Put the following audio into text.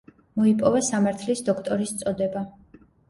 მოიპოვა სამართლის დოქტორის წოდება.